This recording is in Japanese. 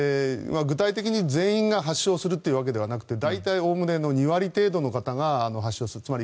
具体的に全員が発症するというわけではなくて大体、おおむね２割程度の方が発症する。